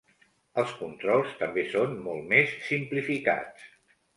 Els controls també són molt més simplificats.